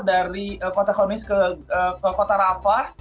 dari kota khonis ke kota rafah